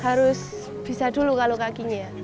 harus bisa dulu kalau kakinya